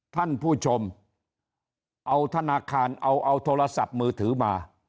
ท่านผู้ชมเอาธนาคารเอาเอาโทรศัพท์มือถือมา